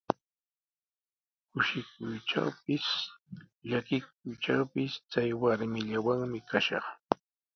Kushikuytrawpis, llakikuytrawpis chay warmillawanmi kashaq.